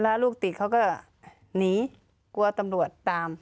แล้วลูกติดเขาก็หนีกลัวตำรวจตาม